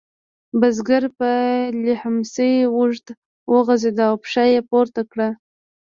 بزګر پر لیهمڅي اوږد وغځېد او پښه یې پورته کړه.